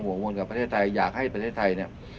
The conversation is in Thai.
หัวงวงกับประเทศไทยอยากให้ประเทศไทย